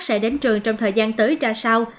sẽ đến trường trong thời gian tới ra sao